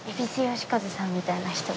蛭子さんみたいな人が。